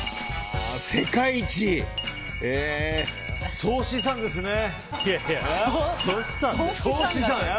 世界一総資産ですね。